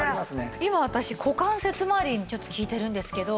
今私股関節まわりにちょっと効いてるんですけど。